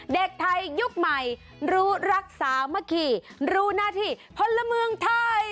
เด็กไทยยุคใหม่รู้รักษามะคีรู้หน้าที่พลเมืองไทย